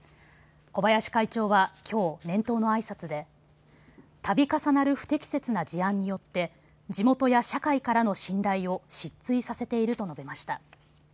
小林会長はきょう、年頭のあいさつでたび重なる不適切な事案によって地元や社会からの信頼を失墜させていると述べました。